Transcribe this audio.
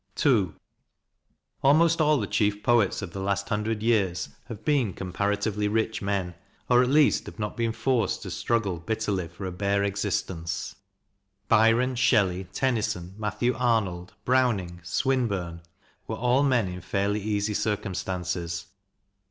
212 CRITICAL STUDIES II Almost all the chief poets of the last hundred years have been comparatively rich men, or at least have not been forced to struggle bitterly for a bare exist ence. Byron, Shelley, Tennyson, Matthew Arnold, Browning, Swinburne, were all men in fairly easy circumstances.